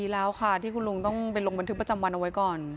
แล้วค่ะที่คุณลุงต้องไปลงบันทึกประจำวันเอาไว้ก่อน